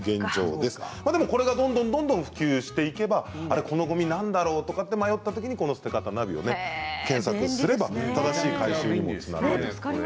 でも、これがどんどん普及していけばこのごみなんだろうと迷ったときに、このステカタｎａｖｉを検索すれば正しい回収にもつながります。